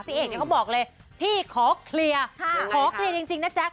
เอกเนี่ยเขาบอกเลยพี่ขอเคลียร์ขอเคลียร์จริงนะแจ๊ค